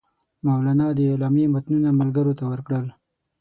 مولنا د اعلامیې متنونه ملګرو ته ورکړل.